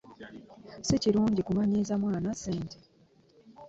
Sikirungi ku manyiza mwana ssente .